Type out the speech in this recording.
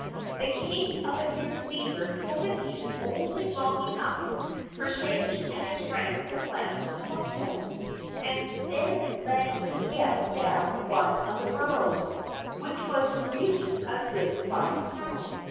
The King of the Fairy Beavers hesitated only long enough for Shaggy and his friends to glance about them, and then led his guests down one of the burrows, which was really a good sized tunnel.